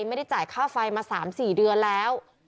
ไม่ได้จ่ายค่าไฟมา๓๔เดือนแล้ว